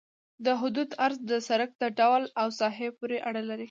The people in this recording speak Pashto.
د حدودو عرض د سرک د ډول او ساحې پورې اړه لري